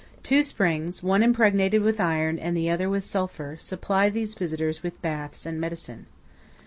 Two springs, one impregnated with iron and the other with sulphur, supply these visitors with baths and medicine.